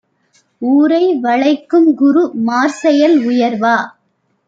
ஊரை வளைக்கும்குரு மார்செயல் உயர்வா?